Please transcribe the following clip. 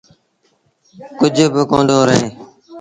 ڪجھ با ڪوندو رهي۔